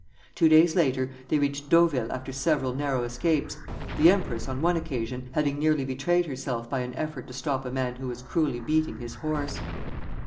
Two days later they reached Deauville after several narrow escapes, the empress, on one occasion, having nearly betrayed herself by an effort to stop a man who was cruelly beating his horse.